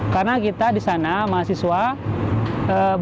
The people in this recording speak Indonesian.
karena kita di sana mahasiswa kita tidak mungkin